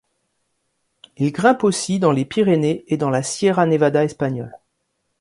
Il grimpe aussi dans les Pyrénées et dans la Sierra Nevada espagnole.